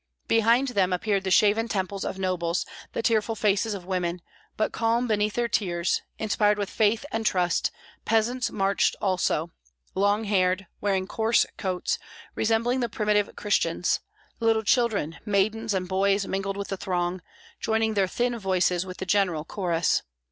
Behind them appeared the shaven temples of nobles, the tearful faces of women, but calm beneath their tears, inspired with faith and trust; peasants marched also, long haired, wearing coarse coats, resembling the primitive Christians; little children, maidens, and boys mingled with the throng, joining their thin voices with the general chorus.